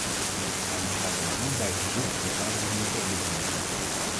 Daarom sluit ik me aan bij het verzoek de vergadering nu te onderbreken.